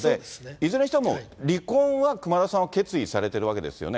いずれにしても、離婚は熊田さんは決意されてるわけですよね。